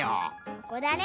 ここだね！